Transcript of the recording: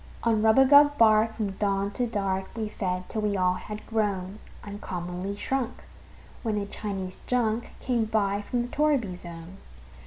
On rubagub bark, from dawn to dark, We fed, till we all had grown Uncommonly shrunk, when a Chinese junk Came by from the torriby zone.